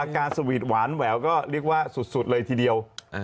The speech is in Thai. อาการสวีตด์หวานแหวนเรียกว่าสุดเลยทีเดียว